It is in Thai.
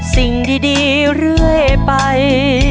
สิ่งดีเรื่อยไป